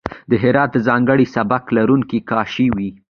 د هرات د ځانګړی سبک لرونکی کاشي وې.